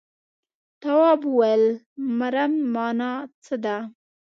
تواب وويل: مرم مانا څه ده.